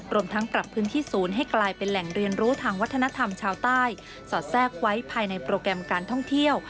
รวมทั้งปรับพื้นที่ศูนย์ให้กลายเป็นแหล่งเรียนรู้ทางวัฒนธรรมชาวใต้สอดแทรกไว้ภายในโปรแกรมการท่องเที่ยว